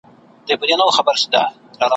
پلونه لرمه کنه؟ ,